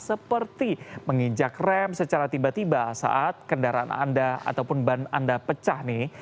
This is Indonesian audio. seperti menginjak rem secara tiba tiba saat kendaraan anda ataupun ban anda pecah nih